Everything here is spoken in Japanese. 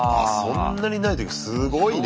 そんなにないとすごいね。